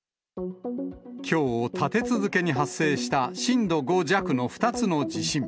きょう、立て続けに発生した震度５弱の２つの地震。